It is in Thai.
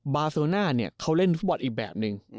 บาโซน่าเนี่ยเขาเล่นฟุตบอลอีกแบบนึง